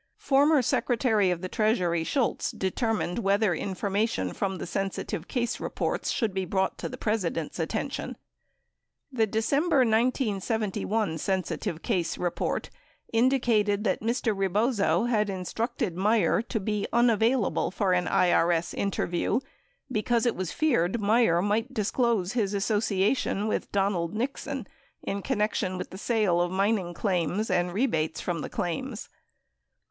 73 Former Secretary of the Treasury Shultz determined whether information from the sensi tive case reports should be brought to the President's attention. The December 1971. sensitive case report indicated that Mr. Rebozo had instructed Meier to be unavailable for an IRS interview because it was feared Meier might disclose his association with Donald Nixon in connection with the sale of mining claims and rebates from the claims.